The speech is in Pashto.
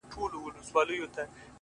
گرانه شاعره صدقه دي سمه؛